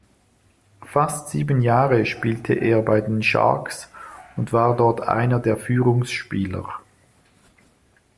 Fast sieben Jahre spielte er bei den Sharks und war dort einer der Führungsspieler.